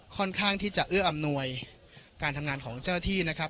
ค่อนข้างที่จะเอื้ออำนวยการทำงานของเจ้าหน้าที่นะครับ